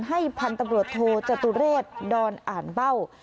พันธุ์ตำรวจโทจตุเรศดอนอ่านเบ้า